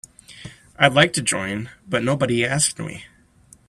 I'd like to join but nobody asked me.